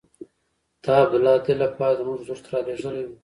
تا عبدالله د دې لپاره زموږ حضور ته رالېږلی وو.